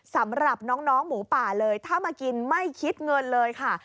สำหรับน้องหมูป่าเลยถ้ามากินไม่คิดเงินเลยค่ะ